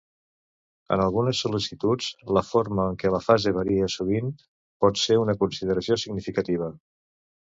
En algunes sol·licituds, la forma en què la fase varia sovint pot ser una consideració significativa.